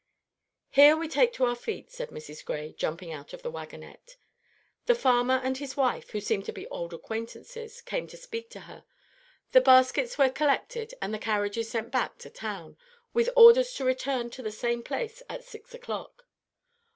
"Here we take to our feet," said Mrs. Gray, jumping out of the wagonette. The farmer and his wife, who seemed to be old acquaintances, came out to speak to her. The baskets were collected, and the carriages sent back to town, with orders to return to the same place at six o'clock.